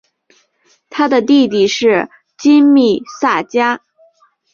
他的弟弟是金密萨加。